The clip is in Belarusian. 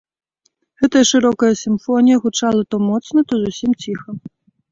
Гэтая шырокая сімфонія гучала то моцна, то зусім ціха.